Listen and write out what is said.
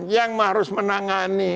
yang harus menangani